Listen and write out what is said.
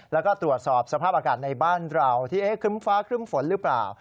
แล้วก็ตรวจสอบสภาพอากาศในบ้านเราที่ครึ้มฟ้าครึ่มฝนหรือเปล่า